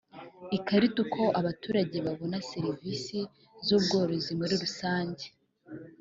ikarita uko abaturage babona serivisi z ubworozi muri rusange